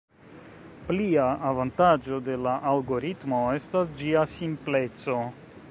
Plia avantaĝo de la algoritmo estas ĝia simpleco.